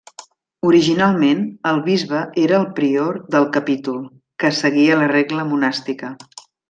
Originalment, el bisbe era el prior del capítol, que seguia la regla monàstica.